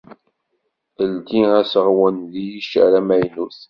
Ldi aseɣwen deg yiccer amaynut.